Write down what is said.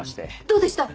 どうでした